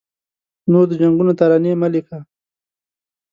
نور د جنګونو ترانې مه لیکه